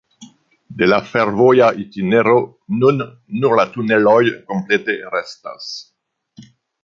De la fervoja itinero nun nur la tuneloj komplete restas.